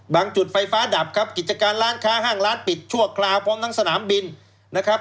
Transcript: จุดไฟฟ้าดับครับกิจการร้านค้าห้างร้านปิดชั่วคราวพร้อมทั้งสนามบินนะครับ